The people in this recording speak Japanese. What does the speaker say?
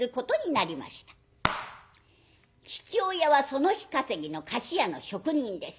父親はその日稼ぎの菓子屋の職人です。